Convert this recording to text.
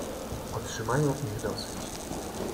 "Otrzymają ich dosyć."